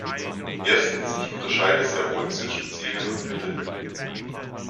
Erstens, ich unterscheide sehr wohl zwischen Zielen und Mitteln.